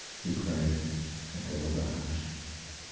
he cried and there was a hush.